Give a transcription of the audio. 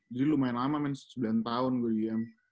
jadi lumayan lama men sembilan tahun gue im